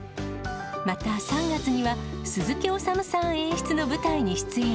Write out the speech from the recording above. また３月には、鈴木おさむさん演出の舞台に出演。